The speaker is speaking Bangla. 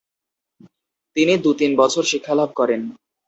তিনি দু-তিন বছর শিক্ষালাভ করেন।